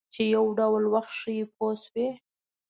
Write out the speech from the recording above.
چې یو ډول وخت ښیي پوه شوې!.